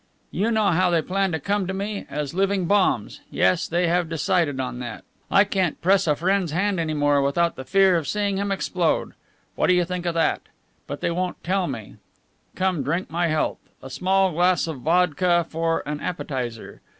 You know how they plan now to come to me, as living bombs. Yes, they have decided on that. I can't press a friend's hand any more without the fear of seeing him explode. What do you think of that? But they won't get me. Come, drink my health. A small glass of vodka for an appetizer.